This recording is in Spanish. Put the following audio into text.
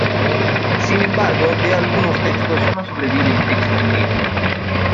Sin embargo, de algunos textos sólo sobrevive el texto en griego.